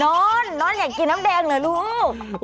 นอนนอนอยากกินน้ำแดงเหรอลูก